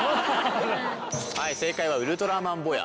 はい正解はウルトラマンボヤ。